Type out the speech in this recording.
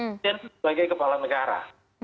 presiden sebagai kepala negara